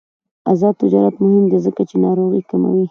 آزاد تجارت مهم دی ځکه چې ناروغۍ کموي.